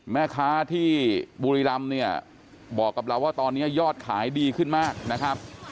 แม่ค้าที่บุรีรำเนี่ยบอกกับเราว่าตอนนี้ยอดขายดีขึ้นมากนะครับ